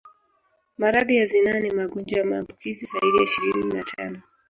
Maradhi ya zinaa ni magonjwa ya maambukizi zaidi ya ishirini na tano